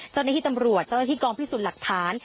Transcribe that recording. เจ้าหน้าที่ตำรวจเจ้าหน้าที่กองพิสูจน์หลักฐาน